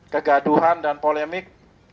kegaduhan dan polemik